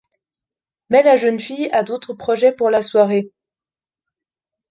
Mais la jeune fille a d'autres projets pour la soirée.